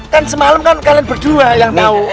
kan semalam kan kalian berdua yang tahu